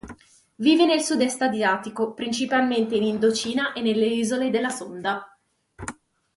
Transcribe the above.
Vive nel Sud-est asiatico, principalmente in Indocina e nelle Isole della Sonda.